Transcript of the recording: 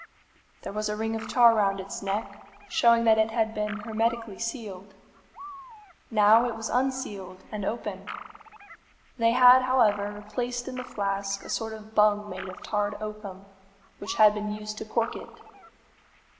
There was a ring of tar round its neck, showing that it had been hermetically sealed. Now it was unsealed and open. They had, however, replaced in the flask a sort of bung made of tarred oakum, which had been used to cork it.